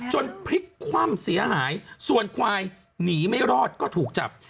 พลิกคว่ำเสียหายส่วนควายหนีไม่รอดก็ถูกจับ